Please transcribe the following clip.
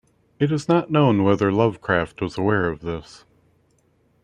It is not known whether Lovecraft was aware of this.